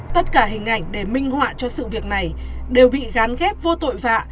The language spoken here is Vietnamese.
tất cả hình ảnh để minh họa cho sự việc này đều bị gán ghép vô tội vạ